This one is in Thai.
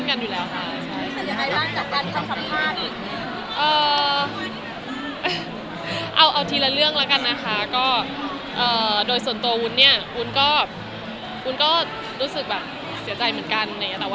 กูก็รู้จักแบบสุดยอดเลยเหมือนกัน